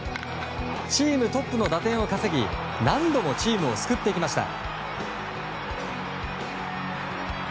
チームトップの打点を稼ぎ何度もチームを救ってきました。